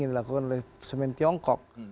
yang dilakukan oleh semen tiongkok